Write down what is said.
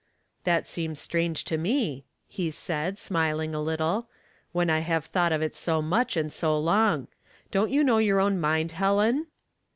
"That seems strange to me," he said, smiling a little, " when I have thought of it so much and so long. Don't you know your own mind, Helen?"